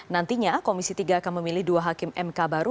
nantinya komisi tiga akan memilih dua hakim mk baru